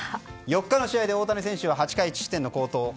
４日の試合で大谷選手は８回１失点の好投。